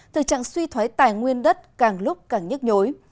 thực trạng suy thoái tài nguyên đất càng lúc càng nhức nhối